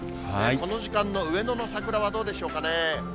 この時間の上野の桜はどうでしょうかね。